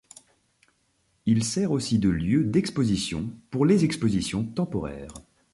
Il sert aussi de lieu d'exposition pour les expositions temporaires.